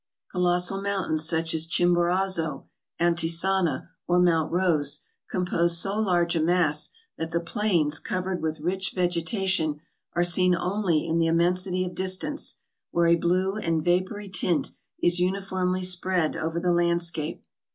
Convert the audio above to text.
Colossal mountains, such as Chimborazo, Antisana, or Mount Rose, compose so large a mass, that the plains covered with rich vegetation are seen only in the immensity of distance, where a blue and vapory tint is uniformly spread over the land scape.